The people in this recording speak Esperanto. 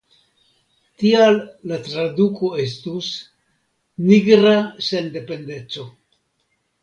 Tial la traduko estus «Nigra Sendependeco».